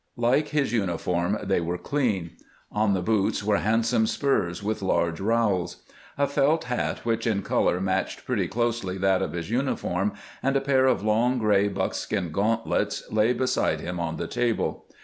Like his uniform, they were clean. On the boots were handsome spurs with large rowels. A felt hat which in color matched pretty closely that of his uniform, and a pair of long, gray buckskin gauntlets, lay beside him on the table.